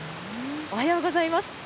おはようございます。